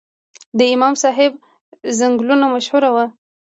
د امام صاحب ځنګلونه مشهور وو